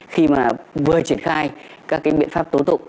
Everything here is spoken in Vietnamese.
khi mà vừa triển khai các biện pháp tố tụ